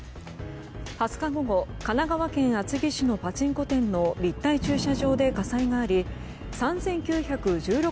２０日午後、神奈川県厚木市のパチンコ店の立体駐車場で火災があり３９１６